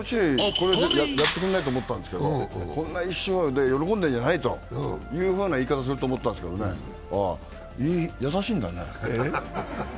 こんなんで落合はやってくんないと思ったんですけどこんな１勝するもんじゃないという言い方すると思ったけど優しいんだね？